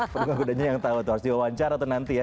penunggang kudanya yang tahu itu harus diwawancar atau nanti ya